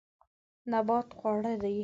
نبات خواړه دي.